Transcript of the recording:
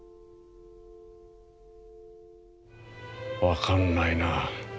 分かんないな。